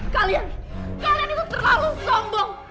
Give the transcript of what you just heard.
kalian kalian itu terlalu sombong